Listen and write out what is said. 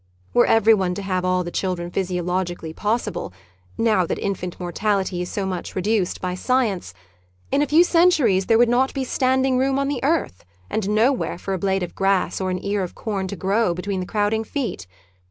Were everyone to have all the children physiologically possible (now that infant mortality is so much reduced by science) in a few centuries there would not be standing room on the earth, and nowhere for a blade of grass or an ear of corn to grow between the crowding feet.